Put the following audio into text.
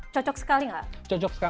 cocok sekali gak